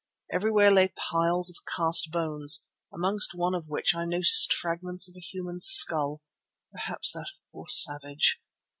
Everywhere lay piles of cast bones, amongst one of which I noticed fragments of a human skull, perhaps that of poor Savage.